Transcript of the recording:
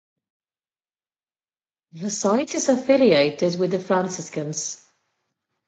The site is affiliated with the Franciscans.